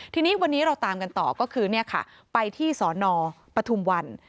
ทีนี้วันนี้เราตามกันต่อก็คือไปที่สนปฐุมวัน